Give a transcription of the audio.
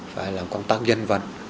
phải làm công tác dân vật